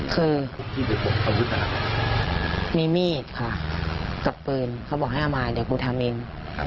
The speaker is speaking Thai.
คือผมมีมีดค่ะกับปืนเขาบอกให้เอามาเดี๋ยวกูทำเอง